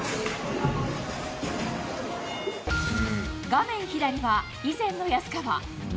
画面左は以前の安川。